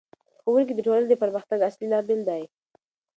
ښوونکی د ټولنې د پرمختګ اصلي لامل دی.